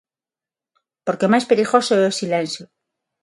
Porque o máis perigoso é o silencio.